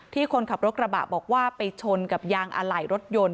คนขับรถกระบะบอกว่าไปชนกับยางอะไหล่รถยนต์